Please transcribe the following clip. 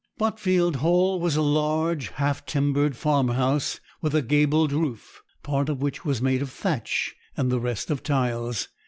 Botfield Hall was a large, half timbered farmhouse, with a gabled roof, part of which was made of thatch and the rest of tiles.